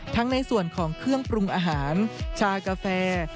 ในส่วนของเครื่องปรุงอาหารชากาแฟ